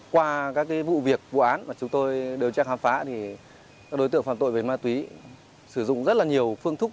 qua các vụ việc vụ án mà chúng tôi đều chắc khám phá thì các đối tượng phạm tội về ma túy sử dụng rất là nhiều phương thức